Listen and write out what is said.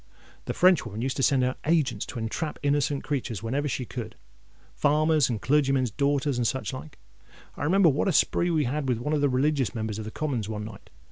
The Frenchwoman used to send out agents to entrap innocent creatures wherever she could—farmers' and clergymen's daughters, and such like. I remember what a spree we had with one of the religious Members of the Commons one night.